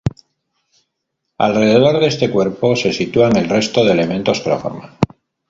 Alrededor de este cuerpo, se sitúan el resto de elementos que lo forman.